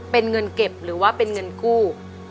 เป็นเงินเก็บหรือว่าเป็นเงินกู้